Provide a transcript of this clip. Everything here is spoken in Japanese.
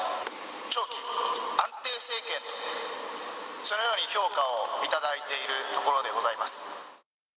長期安定政権と、そのように評価を頂いているところでございます。